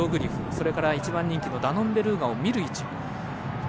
それから１番人気のダノンベルーガを見る位置。